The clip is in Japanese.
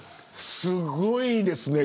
すごいですね。